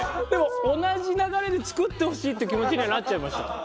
でも同じ流れで作ってほしいっていう気持ちにはなっちゃいました。